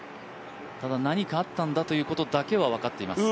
ただ何かあったんだということだけは分かります。